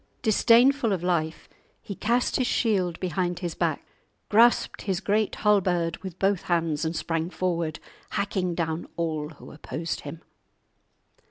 Disdainful of life, he cast his shield behind his back, grasped his great halberd with both hands, and sprang forward, hacking down all who opposed him.